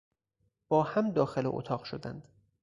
با هم داخل اتاق شدند.